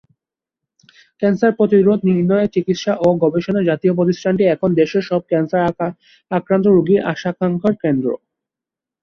Cancer প্রতিরোধ, নির্ণয়, চিকিৎসা ও গবেষণার জাতীয় প্রতিষ্ঠানটি এখন দেশের সব ক্যান্সার আক্রান্ত রোগীর আশা-আকাঙ্খার কেন্দ্র।